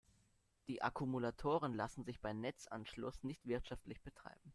Die Akkumulatoren lassen sich bei Netzanschluss nicht wirtschaftlich betreiben.